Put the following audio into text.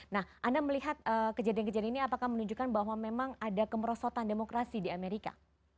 nah anda melihat kejadian kejadian ini apakah menunjukkan bahwa memang ada kemerosotan demokrasi di amerika